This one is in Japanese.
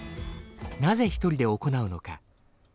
なぜ１人で行うのか。